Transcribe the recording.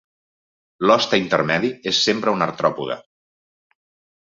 L'hoste intermedi és sempre un artròpode.